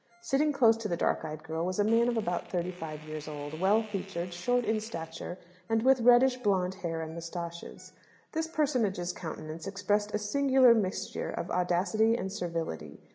Sitting close to the dark eyed girl was a man of about thirty five years old, well featured, short in stature, and with reddish blonde hair and moustaches. This personage's countenance expressed a singular mixture of audacity and servility.